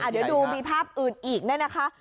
เดี๋ยวดูมีภาพอื่นอีกเนี่ยนะคะ